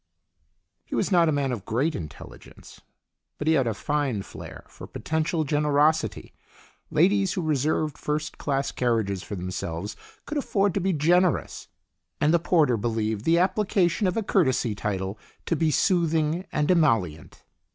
He was not a man of great intelligence, but he had a fine flair for potential generosity. Ladies who reserved first class carriages for themselves could afford to be generous, and the porter believed the application of a courtesy title to be soothing and emollient.